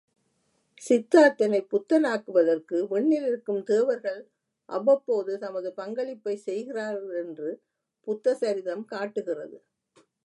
சித்தார்த்தனைப் புத்தனாக்குவதற்கு விண்ணிலிருக்கும் தேவர்கள் அவ்வப்போது தமது பங்களிப்பைச் செய்கிறார்கள் என்று புத்த சரிதம் காட்டுகிறது.